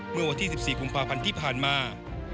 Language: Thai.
เมื่อวันที่๑๔กุมภาพันธ์ที่ผ่านมา